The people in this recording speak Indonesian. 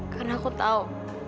karena aku tahu